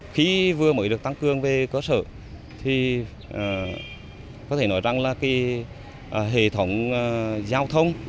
khi vừa mới được tăng cường về cơ sở thì có thể nói rằng là hệ thống giao thông